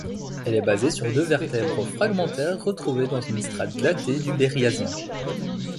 Elle est basée sur deux vertèbres fragmentaires retrouvées dans une strate datée du Berriasien.